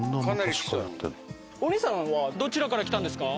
お兄さんはどちらから来たんですか？